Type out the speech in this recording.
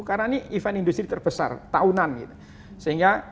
karena ini event industri terbesar tahunan